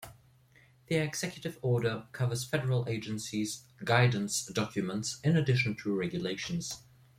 The Executive Order covers federal agencies' "guidance documents", in addition to regulations.